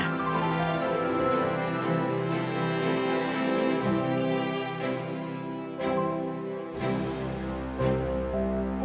sampai jumpa di video selanjutnya